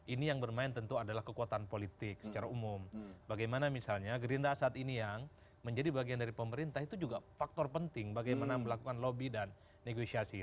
ini yang bermain tentu adalah kekuatan politik secara umum bagaimana misalnya gerindra saat ini yang menjadi bagian dari pemerintah itu juga faktor penting bagaimana melakukan lobby dan negosiasi